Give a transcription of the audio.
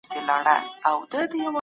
هغه کسان چی زحمت باسي بريالي کيږي.